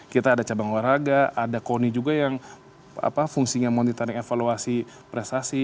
kita ada cabang olahraga ada koni juga yang fungsinya monitoring evaluasi prestasi